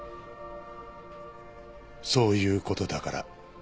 そういうことだから。